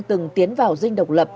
từng tiến vào dinh độc lập